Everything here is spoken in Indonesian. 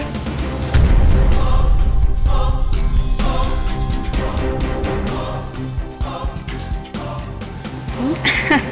itu alasan kamu